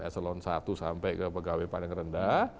eselon satu sampai ke pegawai paling rendah